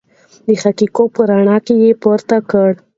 د حقایقو په رڼا کې یې پوره کړو.